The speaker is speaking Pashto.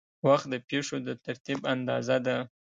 وخت د پېښو د ترتیب اندازه ده.